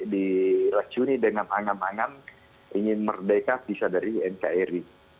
dipercayai dengan angan angan ingin merdeka kisah dari nkri